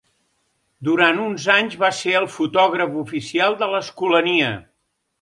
Durant uns anys va ser el fotògraf oficial de l'Escolania.